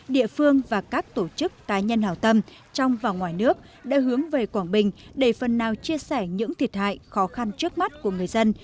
địa phương và các tổ chức cá nhân hảo tâm trong và ngoài nước đã hướng về quảng bình để phần nào chia sẻ những thiệt hại khó khăn trước mắt của người dân